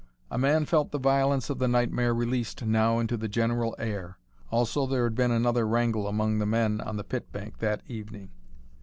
A man felt the violence of the nightmare released now into the general air. Also there had been another wrangle among the men on the pit bank that evening.